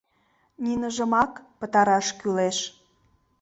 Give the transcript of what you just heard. Ниныжымак пытараш кӱлеш.